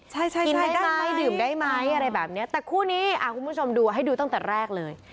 ใช่ใช่กินได้ไหมดื่มได้ไหมอะไรแบบเนี้ยแต่คู่นี้คุณผู้ชมดูให้ดูตั้งแต่แรกเลย